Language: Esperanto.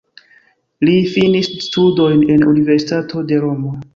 Li finis studojn en universitato de Romo.